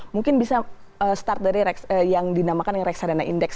mungkin bisa start dari yang dinamakan reksadana indeks